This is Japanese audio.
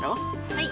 はい。